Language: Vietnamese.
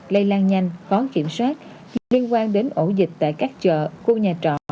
liên quan đến ổ dịch tại các chợ khu nhà trọ